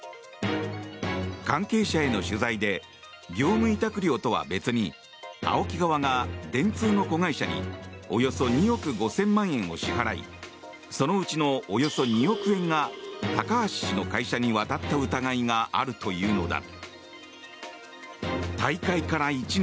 関係者への取材で業務委託料とは別にＡＯＫＩ側が電通の子会社におよそ２億５０００万円を支払いそのうちのおよそ２億円が高橋氏の会社に渡った疑いがあるというのだ。